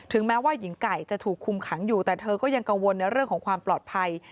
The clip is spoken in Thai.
แม้ว่าหญิงไก่จะถูกคุมขังอยู่แต่เธอก็ยังกังวลในเรื่องของความปลอดภัย